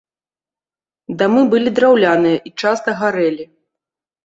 Дамы былі драўляныя і часта гарэлі.